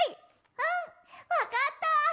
うんわかった！